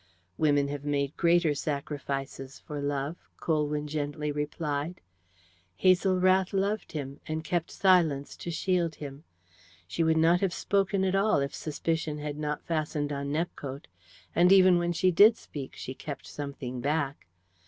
"Women have made greater sacrifices for love," Colwyn gently replied. "Hazel Rath loved him, and kept silence to shield him. She would not have spoken at all if suspicion had not fastened on Nepcote, and even when she did speak she kept something back.